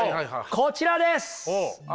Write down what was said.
こちらです！